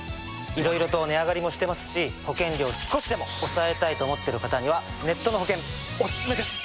いろいろと値上がりもしてますし保険料を少しでも抑えたいと思っている方にはネットの保険オススメです！